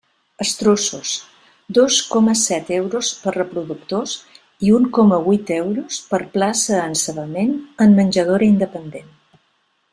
Estruços: dos coma set euros per reproductors i un coma huit euros per plaça encebament en menjadora independent.